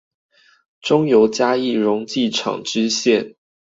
中油嘉義溶劑廠支線